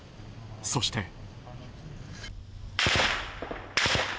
そして。